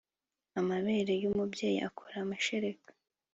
amabere y'umubyeyi akora amashereka